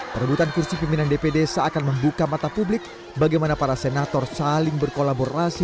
perebutan kursi pimpinan dpd seakan membuka mata publik bagaimana para senator saling berkolaborasi